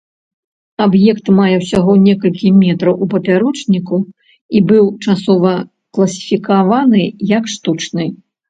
Аб'ект мае ўсяго некалькі метраў у папярочніку і быў часова класіфікаваны як штучны.